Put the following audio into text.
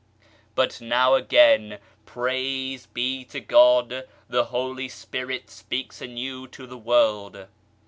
But now again, praise be to God, the Holy Spirit speaks anew to the world